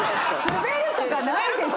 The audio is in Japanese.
スベるとかないでしょ！